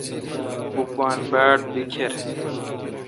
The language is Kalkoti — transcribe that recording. اوں پان باڑ بیکر